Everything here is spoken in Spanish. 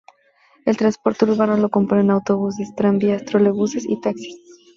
El transporte urbano lo componen autobuses, tranvías, trolebuses y taxis.